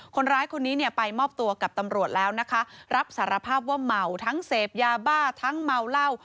คนร้ายคนนี้เนี่ยไปมอบตัวกับตำรวจแล้วนะคะรับสารภาพว่าเมาทั้งเสพยาบ้าทั้งเมาเหล้า